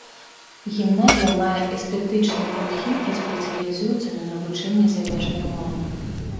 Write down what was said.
Гімназія мае эстэтычны ўхіл і спецыялізуецца на навучанні замежным мовам.